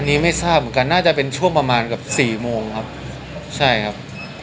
อันนี้ไม่ทราบเหมือนกันน่าจะเป็นช่วงประมาณเกือบสี่โมงครับใช่ครับ